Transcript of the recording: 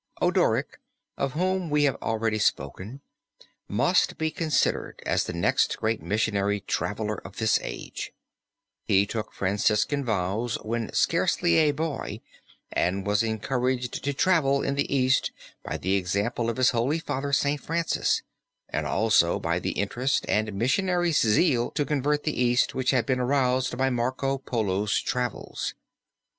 Odoric of whom we have already spoken must be considered as the next great missionary traveler of this age. He took Franciscan vows when scarcely a boy and was encouraged to travel in the East by the example of his Holy Father St. Francis, and also by the interest and missionary zeal to convert the East which had been aroused by Marco Polo's travels.